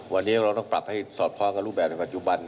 วันนี้เราต้องปรับให้สอดคล้องกับรูปแบบในปัจจุบัน